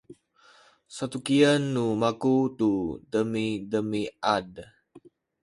satukien nu maku tu demidemiad